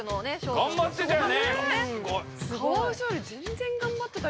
頑張ってたよね。